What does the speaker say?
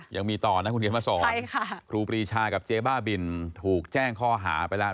ยังมีต่อนะคุณเขียนมาสอนครูปรีชากับเจ๊บ้าบินถูกแจ้งข้อหาไปแล้ว